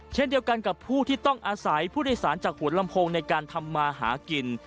เช่นเดียวกันกับผู้ที่ต้องอาศัยผู้โดยสารจากหัวลำโพงในการทำมาหากิน